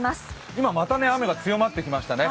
今また雨が強くなってきましたね。